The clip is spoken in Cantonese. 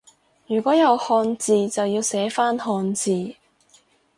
如果有漢字就要寫返漢字